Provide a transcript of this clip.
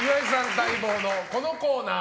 待望のこのコーナー。